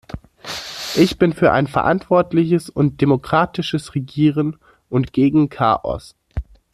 Ich bin für ein verantwortliches und demokratisches Regieren und gegen Chaos.